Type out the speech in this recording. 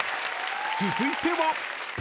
［続いては］